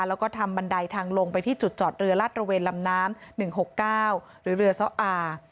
แล้วก็ทำบันไดทางลงไปที่จุดจอดเรือลาดระเวนลำน้ำ๑๖๙หรือเรือซ้ออา